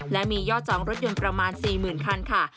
และมียอดจองรถยนต์ประมาณ๔๐๐๐คันค่ะ